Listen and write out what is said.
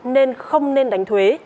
nên không nên đánh thuế